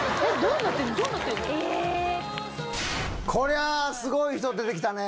これはすごい人出てきたね。